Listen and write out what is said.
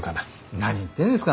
何言ってんですか。